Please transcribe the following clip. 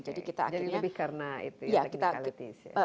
jadi lebih karena itu ya teknikalitis